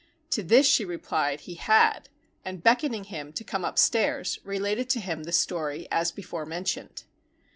_ To this she replied, he had, and beckoning him to come upstairs, related to him the story as before mentioned.